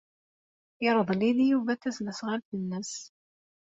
Yerḍel-iyi-d Yuba tasnasɣalt-nnes.